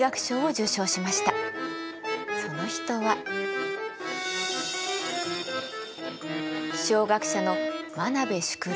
その人は気象学者の真鍋淑郎。